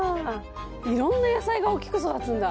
いろんな野菜が大きく育つんだ。